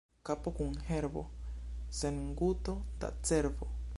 Kapo kun herbo, sen guto da cerbo.